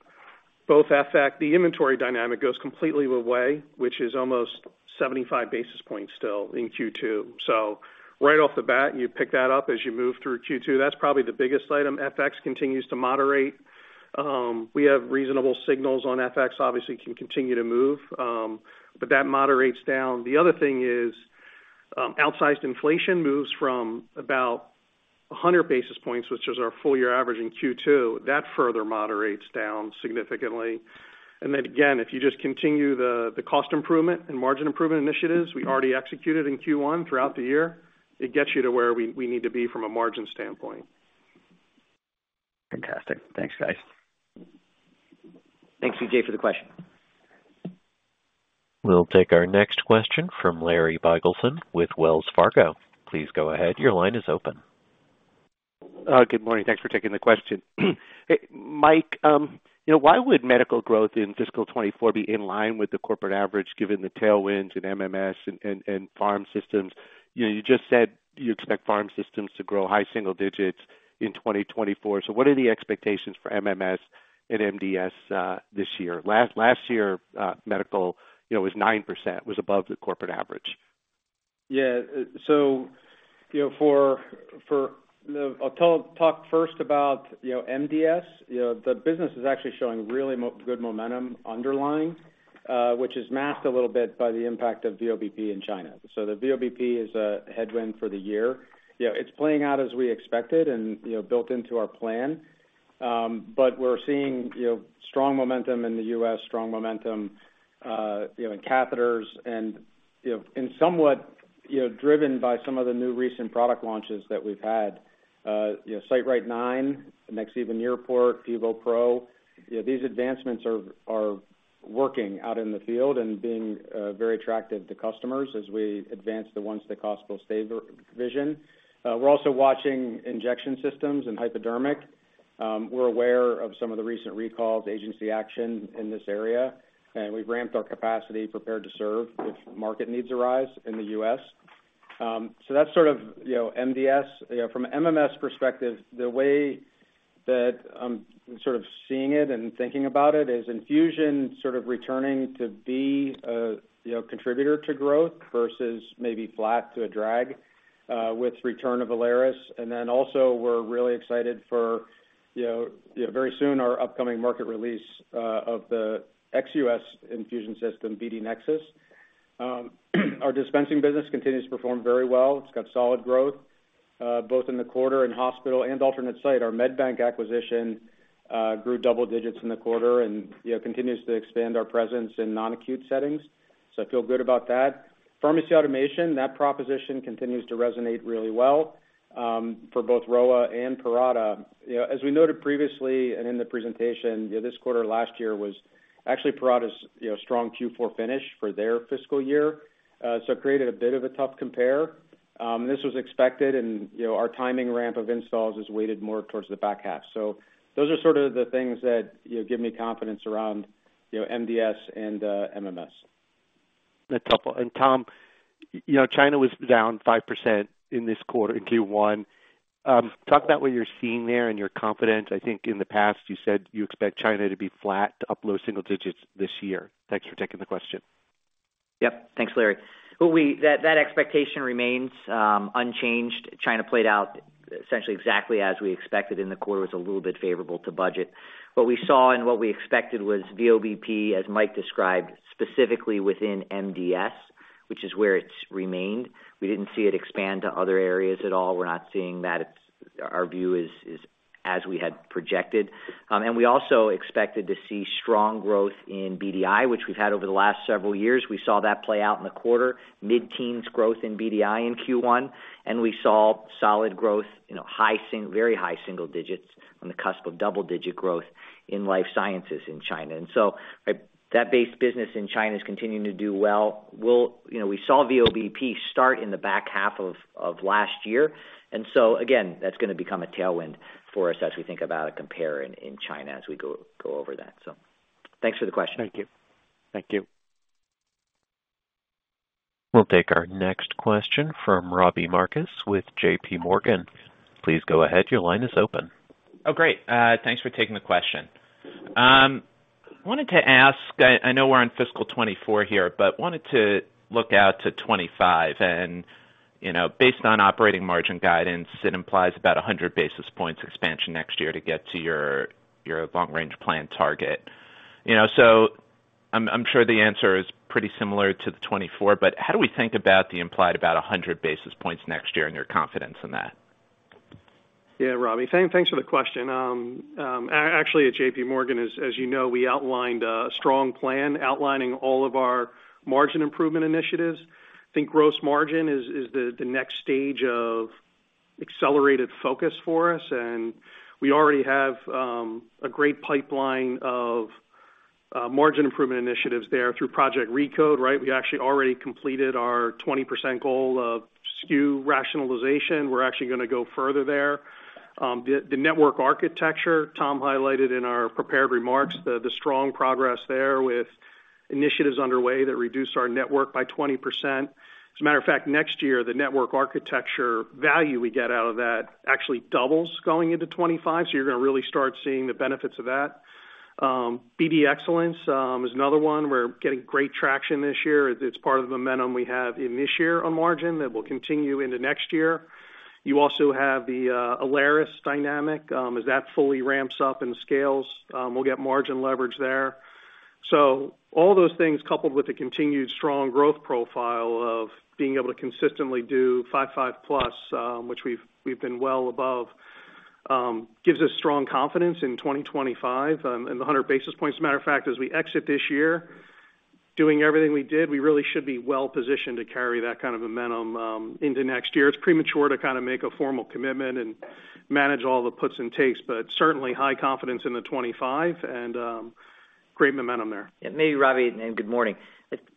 S4: both FX, the inventory dynamic goes completely away, which is almost 75 basis points still in Q2. So right off the bat, you pick that up as you move through Q2. That's probably the biggest item. FX continues to moderate. We have reasonable signals on FX, obviously, can continue to move, but that moderates down. The other thing is, outsized inflation moves from about 100 basis points, which is our full year average in Q2. That further moderates down significantly. And then again, if you just continue the, the cost improvement and margin improvement initiatives we already executed in Q1 throughout the year, it gets you to where we, we need to be from a margin standpoint.
S8: Fantastic. Thanks, guys.
S3: Thanks, Vijay, for the question.
S1: We'll take our next question from Larry Biegelsen with Wells Fargo. Please go ahead. Your line is open.
S9: Good morning. Thanks for taking the question. Hey, Mike, you know, why would medical growth in fiscal 2024 be in line with the corporate average, given the tailwinds in MMS and Pharm Systems? You know, you just said you expect Pharm Systems to grow high single digits in 2024. So what are the expectations for MMS and MDS this year? Last year, medical, you know, was 9%, was above the corporate average.
S7: Yeah, so, you know, for... I'll talk first about, you know, MDS. You know, the business is actually showing really good momentum underlying, which is masked a little bit by the impact of VoBP in China. So the VoBP is a headwind for the year. You know, it's playing out as we expected and, you know, built into our plan. But we're seeing, you know, strong momentum in the U.S., strong momentum, you know, in catheters and, you know, and somewhat, you know, driven by some of the new recent product launches that we've had. You know, SiteRite 9, Nexiva near-port, PIVO Pro, you know, these advancements are working out in the field and being very attractive to customers as we advance the once the hospital stay vision. We're also watching injection systems and hypodermic. We're aware of some of the recent recalls, agency action in this area, and we've ramped our capacity, prepared to serve if market needs arise in the U.S. So that's sort of, you know, MDS. You know, from an MMS perspective, the way that I'm sort of seeing it and thinking about it, is infusion sort of returning to be a, you know, contributor to growth versus maybe flat to a drag, with return of Alaris. And then also, we're really excited for, you know, very soon, our upcoming market release, of the ex-US infusion system, BD Nexus. Our dispensing business continues to perform very well. It's got solid growth, both in the quarter, in hospital and alternate site. Our MedBank acquisition grew double digits in the quarter and, you know, continues to expand our presence in non-acute settings, so I feel good about that. Pharmacy automation, that proposition continues to resonate really well, for both Rowa and Parata. You know, as we noted previously and in the presentation, this quarter last year was actually Parata's, you know, strong Q4 finish for their fiscal year, so it created a bit of a tough compare. This was expected and, you know, our timing ramp of installs is weighted more towards the back half. So those are sort of the things that, you know, give me confidence around, you know, MDS and, MMS....
S9: A couple. And Tom, you know, China was down 5% in this quarter, in Q1. Talk about what you're seeing there and your confidence. I think in the past, you said you expect China to be flat to up low single digits this year. Thanks for taking the question.
S3: Yep. Thanks, Larry. Well, that, that expectation remains unchanged. China played out essentially exactly as we expected in the quarter, was a little bit favorable to budget. What we saw and what we expected was VoBP, as Mike described, specifically within MDS, which is where it's remained. We didn't see it expand to other areas at all. We're not seeing that. It's, our view is, as we had projected. And we also expected to see strong growth in BDI, which we've had over the last several years. We saw that play out in the quarter, mid-teens growth in BDI in Q1, and we saw solid growth, you know, very high single digits, on the cusp of double-digit growth in Life Sciences in China. And so that base business in China is continuing to do well. We'll. You know, we saw VoBP start in the back half of last year, and so again, that's gonna become a tailwind for us as we think about a compare in China as we go over that. So thanks for the question.
S9: Thank you. Thank you.
S1: We'll take our next question from Robbie Marcus with JPMorgan. Please go ahead. Your line is open.
S10: Oh, great. Thanks for taking the question. Wanted to ask, I know we're on fiscal 2024 here, but wanted to look out to 2025, and, you know, based on operating margin guidance, it implies about 100 basis points expansion next year to get to your, your long-range plan target. You know, so I'm sure the answer is pretty similar to the 2024, but how do we think about the implied about 100 basis points next year and your confidence in that?
S4: Yeah, Robbie, thanks for the question. Actually, at JPMorgan, as you know, we outlined a strong plan outlining all of our margin improvement initiatives. I think gross margin is the next stage of accelerated focus for us, and we already have a great pipeline of margin improvement initiatives there through Project RECODE, right? We actually already completed our 20% goal of SKU rationalization. We're actually gonna go further there. The network architecture, Tom highlighted in our prepared remarks, the strong progress there with initiatives underway that reduced our network by 20%. As a matter of fact, next year, the network architecture value we get out of that actually doubles going into 2025, so you're gonna really start seeing the benefits of that. BD Excellence is another one. We're getting great traction this year. It's part of the momentum we have in this year on margin that will continue into next year. You also have the Alaris dynamic. As that fully ramps up and scales, we'll get margin leverage there. So all those things, coupled with the continued strong growth profile of being able to consistently do five, 5+, which we've, we've been well above, gives us strong confidence in 2025 and the 100 basis points. As a matter of fact, as we exit this year, doing everything we did, we really should be well-positioned to carry that kind of momentum into next year. It's premature to kinda make a formal commitment and manage all the puts and takes, but certainly high confidence in the 2025 and great momentum there.
S3: Yeah, maybe, Robbie, and good morning.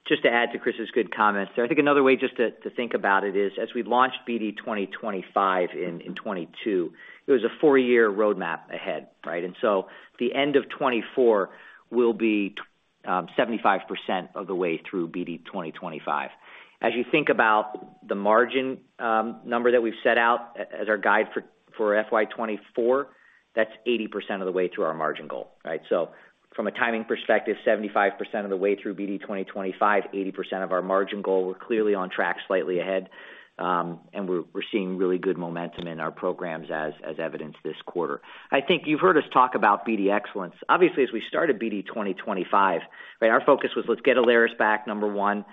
S3: Just to add to Chris's good comments there. I think another way just to think about it is, as we launched BD 2025 in 2022, it was a four-year roadmap ahead, right? And so the end of 2024 will be 75% of the way through BD 2025. As you think about the margin number that we've set out as our guide for FY 2024, that's 80% of the way to our margin goal, right? So from a timing perspective, 75% of the way through BD 2025, 80% of our margin goal, we're clearly on track, slightly ahead, and we're seeing really good momentum in our programs as evidenced this quarter. I think you've heard us talk about BD Excellence. Obviously, as we started BD 2025, right, our focus was: Let's get Alaris back, number one,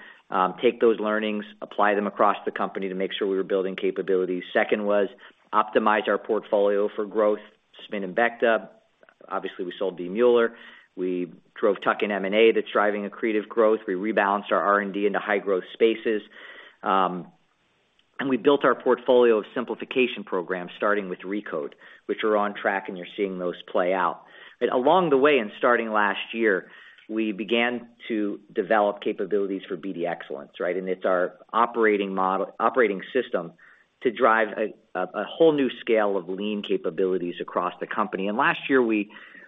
S3: take those learnings, apply them across the company to make sure we were building capabilities. Second was optimize our portfolio for growth, spin and back up. Obviously, we sold V. Mueller. We drove tuck-in M&A that's driving accretive growth. We rebalanced our R&D into high-growth spaces, and we built our portfolio of simplification programs, starting with RECODE, which are on track, and you're seeing those play out. But along the way, and starting last year, we began to develop capabilities for BD Excellence, right? And it's our operating model - operating system to drive a whole new scale of lean capabilities across the company. And last year,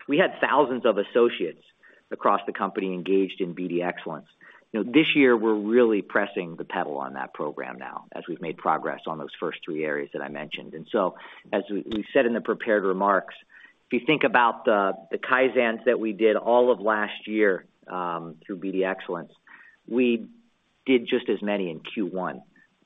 S3: we had thousands of associates across the company engaged in BD Excellence. You know, this year, we're really pressing the pedal on that program now, as we've made progress on those first three areas that I mentioned. And so, as we said in the prepared remarks, if you think about the Kaizens that we did all of last year through BD Excellence, we did just as many in Q1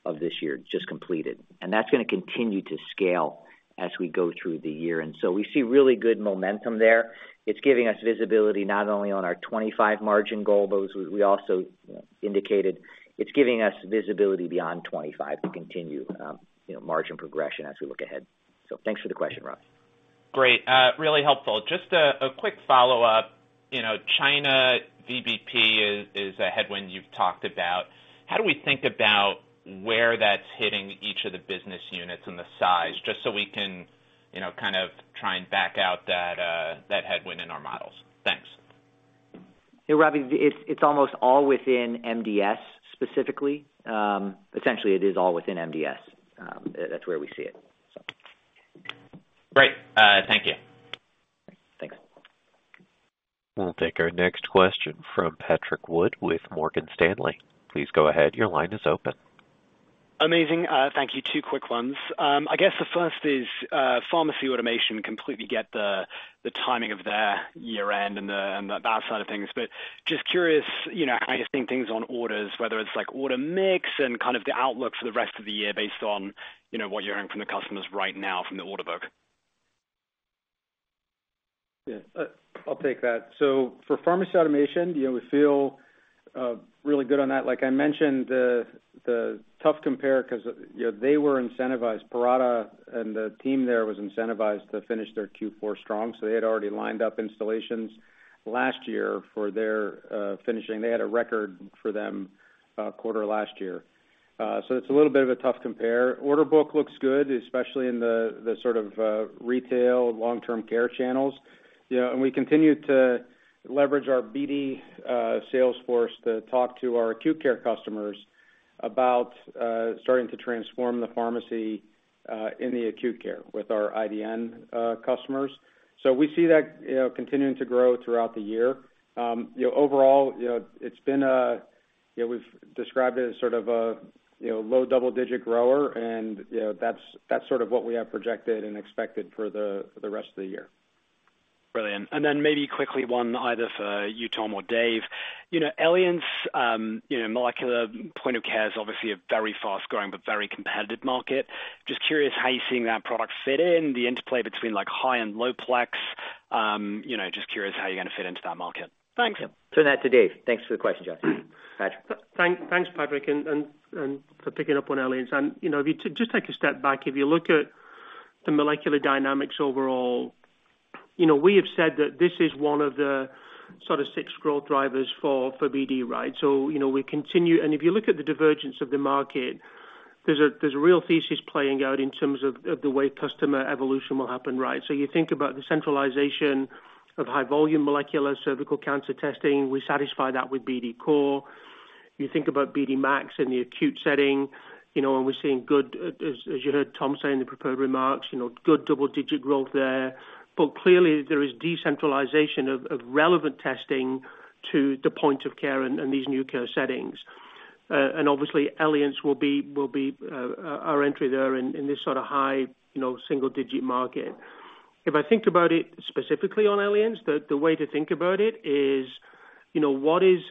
S3: of this year, just completed. And that's gonna continue to scale as we go through the year. And so we see really good momentum there. It's giving us visibility not only on our 25 margin goal, but we also indicated it's giving us visibility beyond 25 to continue, you know, margin progression as we look ahead. So thanks for the question, Rob.
S10: Great, really helpful. Just a quick follow-up. You know, China VoBP is a headwind you've talked about. How do we think about where that's hitting each of the business units and the size, just so we can, you know, kind of try and back out that headwind in our models? Thanks.
S3: Yeah, Robbie, it's almost all within MDS, specifically. Essentially, it is all within MDS. That's where we see it, so.
S10: Great.
S1: We'll take our next question from Patrick Wood with Morgan Stanley. Please go ahead. Your line is open.
S11: Amazing. Thank you. Two quick ones. I guess the first is, pharmacy automation, completely get the timing of their year-end and that side of things. But just curious, you know, how you think things on orders, whether it's like order mix and kind of the outlook for the rest of the year based on, you know, what you're hearing from the customers right now from the order book?
S7: Yeah, I'll take that. So for pharmacy automation, you know, we feel really good on that. Like I mentioned, the tough compare, 'cause, you know, they were incentivized. Parata and the team there was incentivized to finish their Q4 strong, so they had already lined up installations last year for their finishing. They had a record for them quarter last year. So it's a little bit of a tough compare. Order book looks good, especially in the sort of retail long-term care channels. You know, and we continue to leverage our BD sales force to talk to our acute care customers about starting to transform the pharmacy in the acute care with our IDN customers. So we see that, you know, continuing to grow throughout the year. You know, overall, you know, it's been a... You know, we've described it as sort of a, you know, low double-digit grower, and, you know, that's, that's sort of what we have projected and expected for the, for the rest of the year.
S11: Brilliant. And then maybe quickly, one either for you, Tom, or Dave. You know, Eliance, you know, molecular point of care is obviously a very fast-growing but very competitive market. Just curious how you're seeing that product fit in, the interplay between, like, high and low plex. You know, just curious how you're gonna fit into that market. Thanks.
S3: Turn that to Dave. Thanks for the question, Patrick.
S12: Thanks, Patrick, and for picking up on Eliance. And, you know, if you just take a step back, if you look at the molecular dynamics overall, you know, we have said that this is one of the sort of six growth drivers for, for BD, right? So, you know, we continue. And if you look at the divergence of the market, there's a, there's a real thesis playing out in terms of, of the way customer evolution will happen, right? So you think about the centralization of high-volume molecular cervical cancer testing, we satisfy that with BD COR. You think about BD MAX in the acute setting, you know, and we're seeing good, as, as you heard Tom say in the prepared remarks, you know, good double-digit growth there. But clearly, there is decentralization of relevant testing to the point of care and these new care settings. And obviously, Eliance will be our entry there in this sort of high, you know, single-digit market. If I think about it specifically on Eliance, the way to think about it is, you know, what is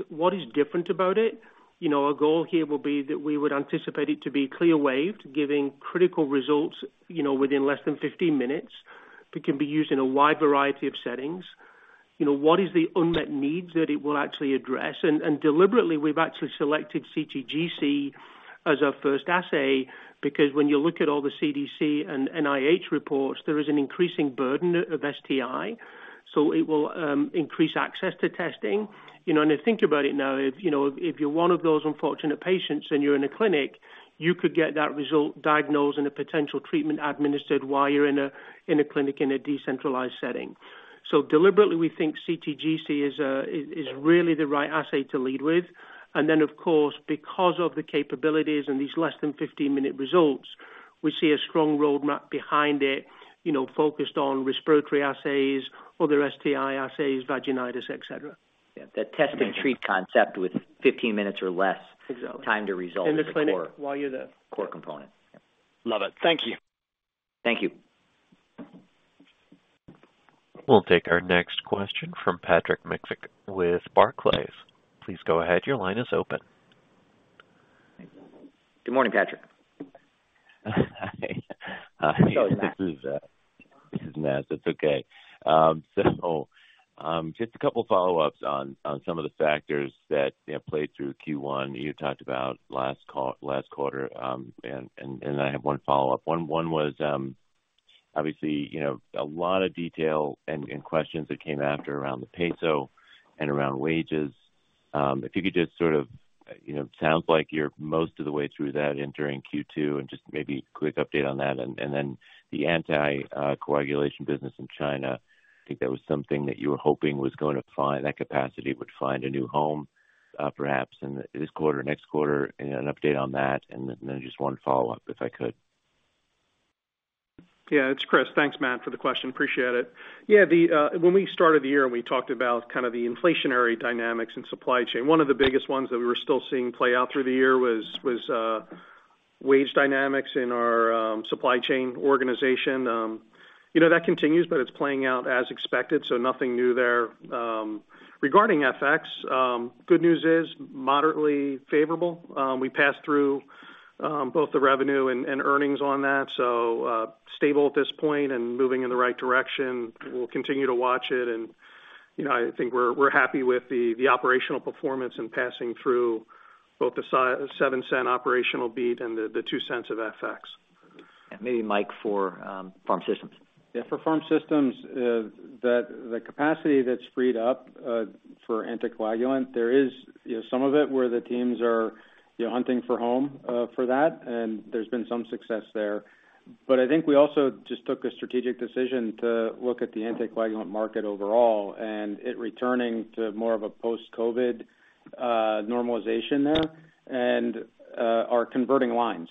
S12: different about it? You know, our goal here will be that we would anticipate it to be cleared, giving critical results, you know, within less than 15 minutes, that can be used in a wide variety of settings. You know, what is the unmet needs that it will actually address? Deliberately, we've actually selected CT/GC as our first assay, because when you look at all the CDC and NIH reports, there is an increasing burden of STI, so it will increase access to testing. You know, think about it now, if, you know, if you're one of those unfortunate patients and you're in a clinic, you could get that result diagnosed and a potential treatment administered while you're in a clinic, in a decentralized setting. Deliberately, we think CT/GC is really the right assay to lead with. Then, of course, because of the capabilities and these less than 15-minute results, we see a strong roadmap behind it, you know, focused on respiratory assays, other STI assays, vaginitis, et cetera.
S3: Yeah, the test and treat concept with 15 minutes or less-
S12: Exactly.
S3: - time to result.
S12: In the clinic while you're there.
S3: Core component.
S11: Love it. Thank you.
S3: Thank you.
S1: We'll take our next question from Patrick Miksic with Barclays. Please go ahead. Your line is open.
S3: Good morning, Patrick.
S13: Hi. Hi. This is Matt. It's okay. So, just a couple follow-ups on some of the factors that, you know, played through Q1. You talked about last quarter, and I have one follow-up. One was, obviously, you know, a lot of detail and questions that came after around the peso and around wages. If you could just sort of, you know... It sounds like you're most of the way through that entering Q2, and just maybe a quick update on that. And then the anticoagulation business in China. I think that was something that you were hoping was going to find that capacity would find a new home, perhaps in this quarter, next quarter, and an update on that. And then just one follow-up, if I could.
S4: Yeah, it's Chris. Thanks, Matt, for the question. Appreciate it. Yeah, the when we started the year, and we talked about kind of the inflationary dynamics and supply chain, one of the biggest ones that we were still seeing play out through the year was wage dynamics in our supply chain organization. You know, that continues, but it's playing out as expected, so nothing new there. Regarding FX, good news is moderately favorable. We passed through both the revenue and earnings on that, so stable at this point and moving in the right direction. We'll continue to watch it and, you know, I think we're happy with the operational performance and passing through both the $0.07 operational beat and the $0.02 of FX.
S3: Maybe, Mike, for Pharm Systems.
S7: Yeah, for Pharm Systems, the capacity that's freed up for anticoagulant, there is, you know, some of it where the teams are, you know, hunting for home for that, and there's been some success there. But I think we also just took a strategic decision to look at the anticoagulant market overall, and it returning to more of a post-COVID... normalization there and, are converting lines,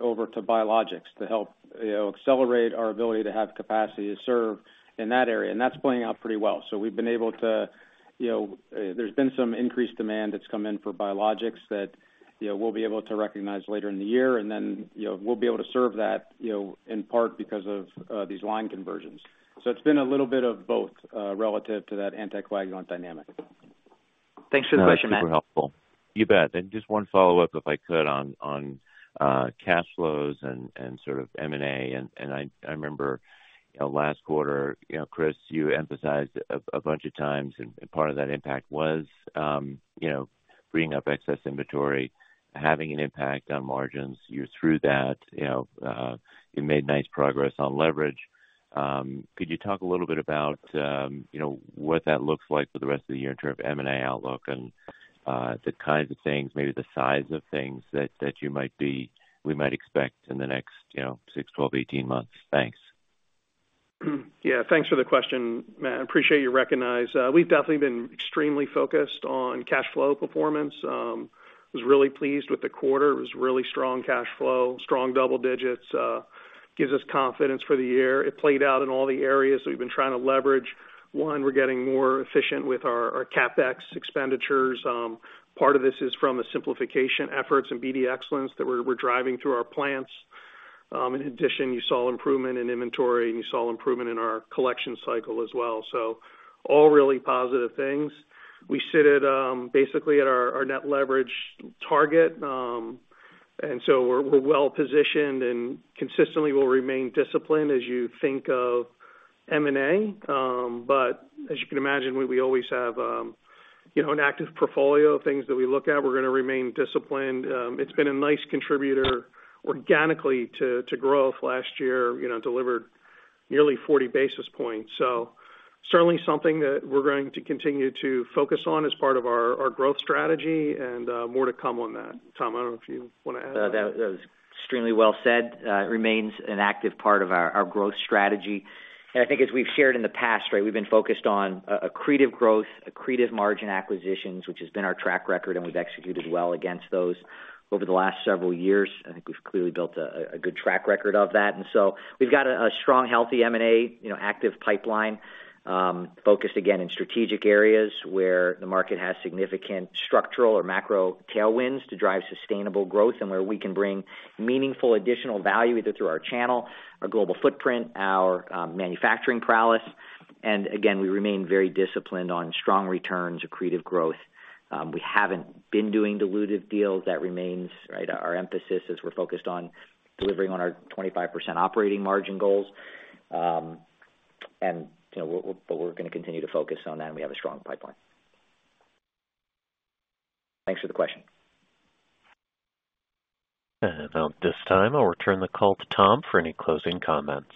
S7: over to biologics to help, you know, accelerate our ability to have capacity to serve in that area, and that's playing out pretty well. So we've been able to, you know, there's been some increased demand that's come in for biologics that, you know, we'll be able to recognize later in the year, and then, you know, we'll be able to serve that, you know, in part because of, these line conversions. So it's been a little bit of both, relative to that anticoagulant dynamic.
S3: Thanks for the question, Matt.
S13: Super helpful. You bet. And just one follow-up, if I could, on cash flows and sort of M&A. And I remember, you know, last quarter, you know, Chris, you emphasized a bunch of times, and part of that impact was, you know, bringing up excess inventory, having an impact on margins. You're through that, you know, you made nice progress on leverage. Could you talk a little bit about, you know, what that looks like for the rest of the year in terms of M&A outlook and the kinds of things, maybe the size of things that you might be—we might expect in the next, you know, six, 12, 18 months? Thanks.
S4: Yeah, thanks for the question, Matt. I appreciate you recognize, we've definitely been extremely focused on cash flow performance. Was really pleased with the quarter. It was really strong cash flow, strong double digits, gives us confidence for the year. It played out in all the areas that we've been trying to leverage. One, we're getting more efficient with our CapEx expenditures. Part of this is from a simplification efforts and BD Excellence that we're driving through our plants. In addition, you saw improvement in inventory, and you saw improvement in our collection cycle as well. So all really positive things. We sit at, basically at our net leverage target, and so we're well positioned and consistently will remain disciplined as you think of M&A. But as you can imagine, we, we always have, you know, an active portfolio of things that we look at. We're gonna remain disciplined. It's been a nice contributor organically to, to growth. Last year, you know, delivered nearly 40 basis points. Certainly something that we're going to continue to focus on as part of our, our growth strategy, and more to come on that. Tom, I don't know if you want to add.
S3: That was extremely well said. It remains an active part of our growth strategy. I think as we've shared in the past, right, we've been focused on accretive growth, accretive margin acquisitions, which has been our track record, and we've executed well against those over the last several years. I think we've clearly built a good track record of that. So we've got a strong, healthy M&A, you know, active pipeline, focused again in strategic areas where the market has significant structural or macro tailwinds to drive sustainable growth and where we can bring meaningful additional value, either through our channel, our global footprint, our manufacturing prowess. Again, we remain very disciplined on strong returns, accretive growth. We haven't been doing dilutive deals. That remains, right, our emphasis as we're focused on delivering on our 25% operating margin goals. You know, but we're gonna continue to focus on that, and we have a strong pipeline. Thanks for the question.
S1: At this time, I'll return the call to Tom for any closing comments.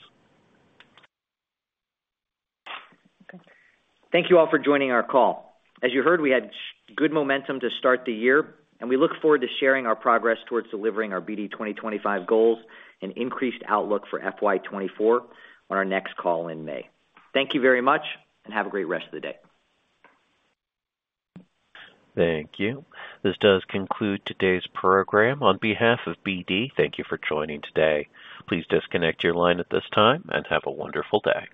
S3: Thank you all for joining our call. As you heard, we had good momentum to start the year, and we look forward to sharing our progress towards delivering our BD 2025 goals and increased outlook for FY 2024 on our next call in May. Thank you very much, and have a great rest of the day.
S1: Thank you. This does conclude today's program. On behalf of BD, thank you for joining today. Please disconnect your line at this time and have a wonderful day.